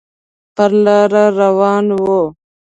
پر لار روان و.